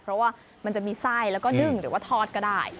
เพราะว่ามันจะมีไส้แล้วก็นึ่งหรือว่าทอดก็ได้